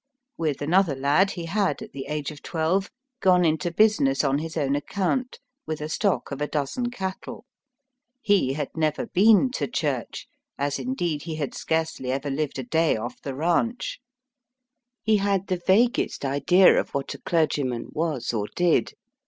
With another lad he had, at the age of twelve, gone into business on his own account, with a stock of a dozen cattle. He had never been to church, as, indeed, he had scarcely ever lived a day off the ranche. He had the vaguest idea of what a clergyman was or did.